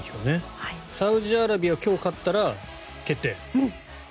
サウジアラビアは今日勝ったら決定。